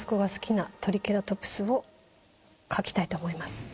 描きたいと思います。